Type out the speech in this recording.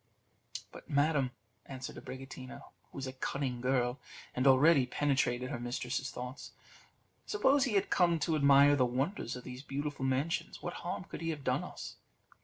"But, madam," answered Abricotina, who was a cunning girl, and already penetrated her mistress's thoughts, "suppose he had come to admire the wonders of these beautiful mansions, what harm could he have done us?